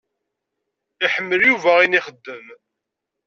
Iḥemmel Yuba ayen ixeddem.